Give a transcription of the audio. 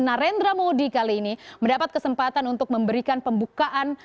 narendra modi kali ini mendapat kesempatan untuk memberikan pembukaan